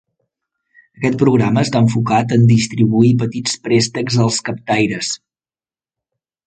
Aquest programa està enfocat en distribuir petits préstecs als captaires.